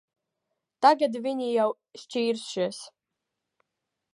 Tagad viņi jau šķīrušies.